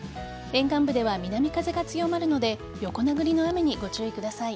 沿岸部では南風が強まるので横殴りの雨にご注意ください。